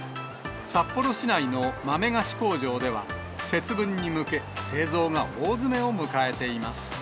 札幌市内の豆菓子工場では、節分に向け、製造が大詰めを迎えています。